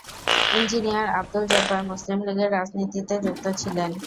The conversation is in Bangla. ইঞ্জিনিয়ার আবদুল জব্বার মুসলিম লীগের রাজনীতিতে যুক্ত ছিলেন।